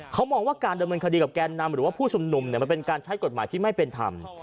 เขามองว่าการดำเนินคดีกับแกนนำหรือว่าผู้ชุมนุมเนี่ยมันเป็นการใช้กฎหมายที่ไม่เป็นธรรม